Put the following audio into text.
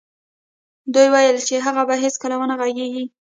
دوی ویل چې هغه به هېڅکله و نه غږېږي